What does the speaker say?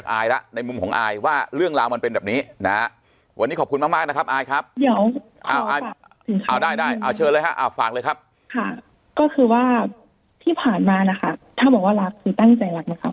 ก็คือว่าที่ผ่านมานะคะถ้าบอกว่ารักคือตั้งใจรักนะครับ